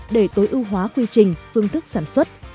để tối ưu hóa quy trình phương thức sản xuất